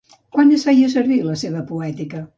Quan es feia servir la seva poètica?